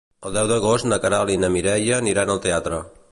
El deu d'agost na Queralt i na Mireia aniran al teatre.